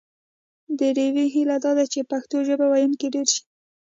د ډیوې هیله دا ده چې پښتو ژبه ویونکي ډېر شي